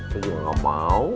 saya juga gak mau